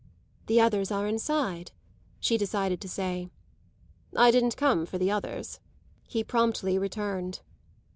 "The others are inside," she decided to say. "I didn't come for the others," he promptly returned.